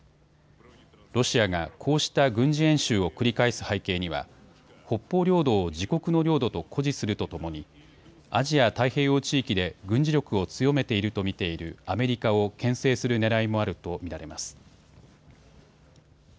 ロシアが、こうした軍事演習を繰り返す背景には北方領土を自国の領土と誇示するとともにアジア太平洋地域で軍事力を強めていると見ているアメリカをけん制するねらいもあると見られます。